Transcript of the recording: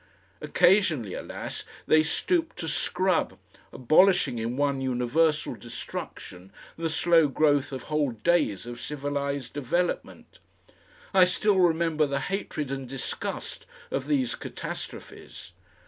Occasionally, alas! they stooped to scrub, abolishing in one universal destruction the slow growth of whole days of civilised development. I still remember the hatred and disgust of these catastrophes.